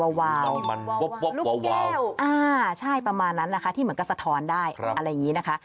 วาวลูกแก้วอ่าใช่ประมาณนั้นนะคะที่เหมือนกับสะท้อนได้อะไรอย่างนี้นะคะ